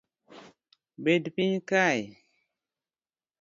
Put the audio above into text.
Bed piny kae